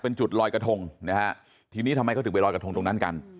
เป็นจุดลอยกระทงนะฮะทีนี้ทำไมเขาถึงไปลอยกระทงตรงนั้นกัน